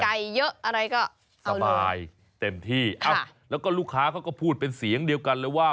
เยอะอะไรก็สบายเต็มที่อ้าวแล้วก็ลูกค้าเขาก็พูดเป็นเสียงเดียวกันเลยว่า